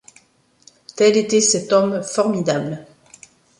Tel était cet homme formidable.